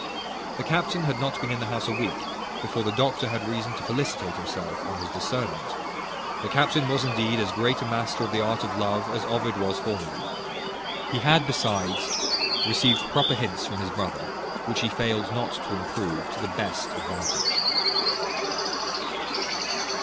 The captain had not been in the house a week before the doctor had reason to felicitate himself on his discernment. The captain was indeed as great a master of the art of love as Ovid was formerly. He had besides received proper hints from his brother, which he failed not to improve to the best advantage.